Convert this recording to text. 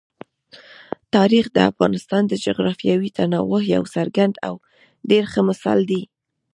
تاریخ د افغانستان د جغرافیوي تنوع یو څرګند او ډېر ښه مثال دی.